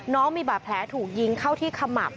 น้องมีบาดแผลถูกยิงเข้าที่ขมับ